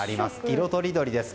色とりどりです。